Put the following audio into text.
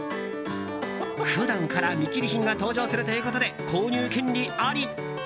普段から見切り品が登場するということで購入権利あり。